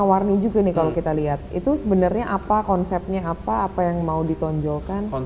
ohwait kita udah muak dong